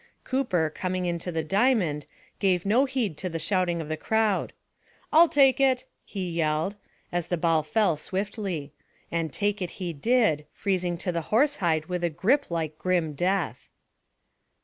Cooper, coming into the diamond, gave no heed to the shouting of the crowd. "I'll take it!" he yelled, as the ball fell swiftly. And take it he did, freezing to the horsehide with a grip like grim death.